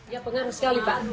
ya pengaruh sekali pak